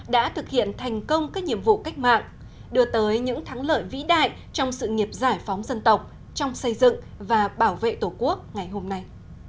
đã thực hiện thành công các nhiệm vụ cách mạng đưa tới những thắng lợi vĩ đại trong sự nghiệp giải phóng dân tộc trong xây dựng và bảo vệ tổ quốc ngày hôm nay